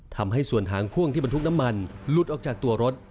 ทำให้ส่วนทางพ่วงที่บรรทุกน้ำมันหลุดออกจากตัวรถ